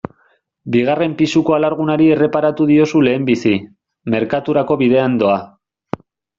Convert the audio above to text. Bigarren pisuko alargunari erreparatu diozu lehenbizi, merkaturako bidean doa.